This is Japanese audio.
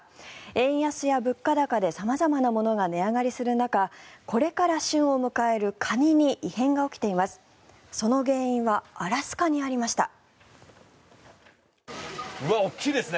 円安や物価高で様々なものが値上がりする中これから旬を迎えるカニに異変が起きています。